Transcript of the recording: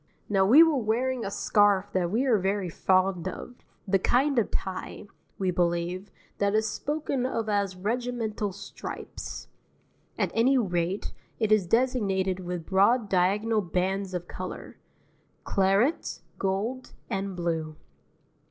Now we were wearing a scarf that we are very fond of, the kind of tie, we believe, that is spoken of as "regimental stripes"; at any rate, it is designated with broad diagonal bands of colour: claret, gold, and blue.